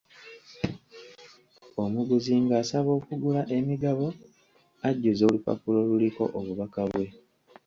Omuguzi ng'asaba okugula emigabo, ajjuza olupapula oluliko obubaka bwe.